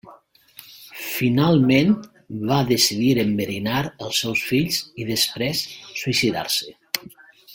Finalment va decidir enverinar els seus fills i després suïcidar-se.